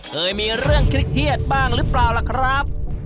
เคยมีเรื่องเครียดบ้างหรือเปล่าล่ะครับ